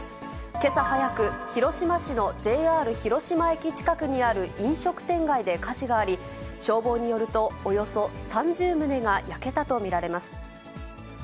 けさ早く、広島市のＪＲ広島駅近くにある飲食店街で火事があり、消防によると、およそ３０棟が焼けたと見られます。